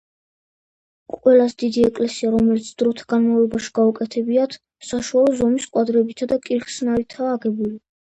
ყველაზე დიდი ეკლესია, რომელიც დროთა განმავლობაში გადაუკეთებიათ, საშუალო ზომის კვადრებითა და კირხსნარითაა აგებული.